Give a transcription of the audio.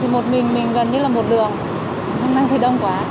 một mình mình gần như là một đường hôm nay thì đông quá